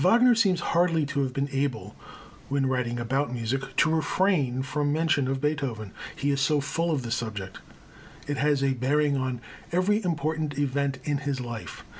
Wagner seems hardly to have been able, when writing about music, to refrain from mention of Beethoven, he is so full of the subject. It has a bearing on every important event in his life.